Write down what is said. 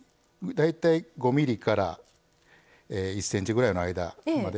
大体５ｍｍから１ｃｍぐらいの間まで。